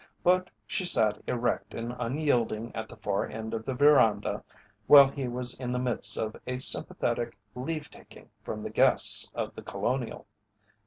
But she sat erect and unyielding at the far end of the veranda while he was in the midst of a sympathetic leave taking from the guests of The Colonial.